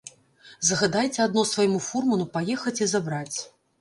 Загадайце адно свайму фурману паехаць і забраць.